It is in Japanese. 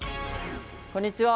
こんにちは。